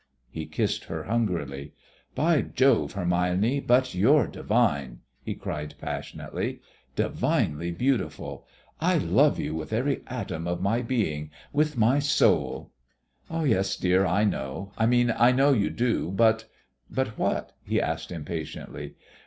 He kissed her hungrily. "By Jove, Hermione, but you're divine," he cried passionately, "divinely beautiful. I love you with every atom of my being with my soul." "Yes, dear, I know I mean, I know you do, but " "But what?" he asked impatiently.